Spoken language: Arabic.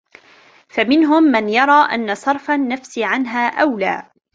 فَمِنْهُمْ مَنْ يَرَى أَنَّ صَرْفَ النَّفْسِ عَنْهَا أَوْلَى